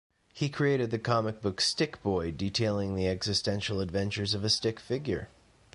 He created the comic book "Stickboy", detailing the existential adventures of a stick figure.